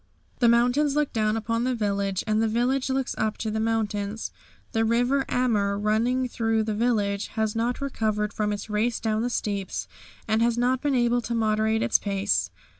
The mountains look down upon the village, and the village looks up to the mountains. The river Ammer, running through the village, has not recovered from its race down the steeps, and has not been able to moderate its pace.